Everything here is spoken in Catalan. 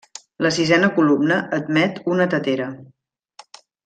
La sisena columna admet una tetera.